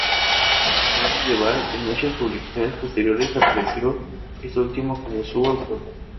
Merry del Val, en muchas publicaciones posteriores apareció este último como su autor.